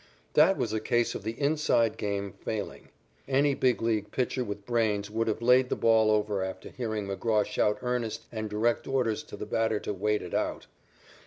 That was a case of the "inside" game failing. Any Big League pitcher with brains would have laid the ball over after hearing McGraw shout earnest and direct orders at the batter to "wait it out."